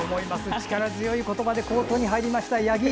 力強い言葉でコートに入りました、八木。